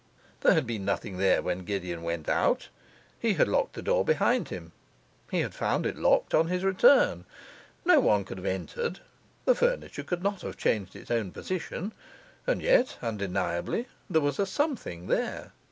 There had been nothing there when Gideon went out; he had locked the door behind him, he had found it locked on his return, no one could have entered, the furniture could not have changed its own position. And yet undeniably there was a something there.